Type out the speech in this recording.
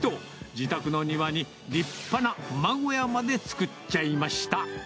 自宅の庭に、立派な馬小屋まで作っちゃいました。